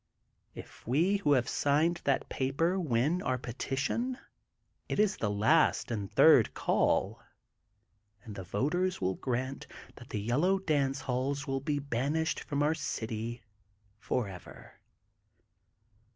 If we who have signed that paper win our petition, it is the last and third call and the voters will grant that The Yellow Dance Halls be banished from our city for ever.